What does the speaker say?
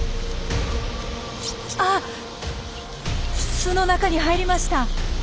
巣の中に入りました。